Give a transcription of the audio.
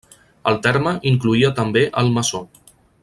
El terme incloïa també Almassor.